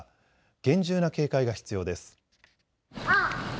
厳重な警戒が必要です。